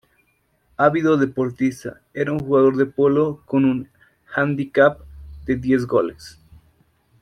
Ávido deportista, era un jugador de polo con un hándicap de diez goles.